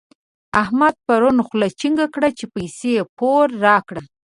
احمد پرون خوله چينګه کړه چې پيسې پور راکړه.